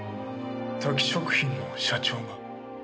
タキ食品の社長が？